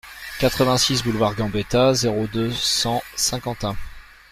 quatre-vingt-six boulevard Gambetta, zéro deux, cent, Saint-Quentin